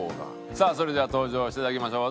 さあそれでは登場していただきましょう。